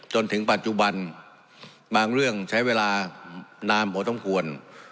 จนถึงปัจจุบันบางเรื่องใช้เวลานานพอสมควร